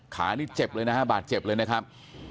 ขานี่เจ็บเลยนะฮะบาดเจ็บเลยนะครับ